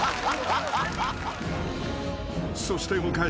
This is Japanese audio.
［そして迎えた］